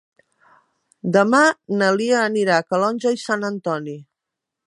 Demà na Lia anirà a Calonge i Sant Antoni.